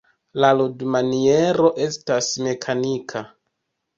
La ludmaniero estas mekanika.